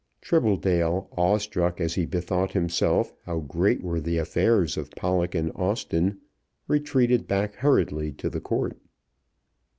Tribbledale, awestruck as he bethought himself how great were the affairs of Pollock and Austen, retreated back hurriedly to the court.